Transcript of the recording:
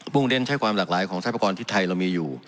พุ่งเด้นใช้ความหลากหลายของใช้ประกอบที่ไทยเรามีอยู่